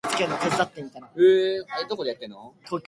雨時々はれ